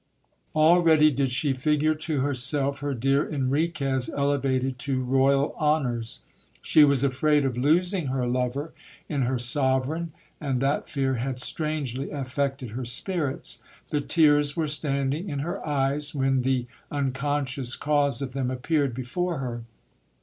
Already did she figure to herself her dear Enriquez elevated to royal honours. She was afraid of losing her lover in her sovereign, and that fear had strangely affected her spirits. The tears were standing in her eyes, when the unconscious cause of them appeared before her.